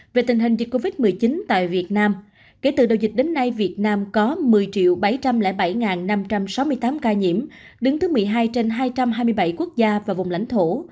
về tình hình dịch covid một mươi chín tại việt nam kể từ đầu dịch đến nay việt nam có một mươi bảy trăm linh bảy năm trăm sáu mươi tám ca nhiễm đứng thứ một mươi hai trên hai trăm hai mươi bảy quốc gia và vùng lãnh thổ